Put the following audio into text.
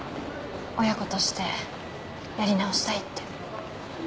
親子としてやり直したいって。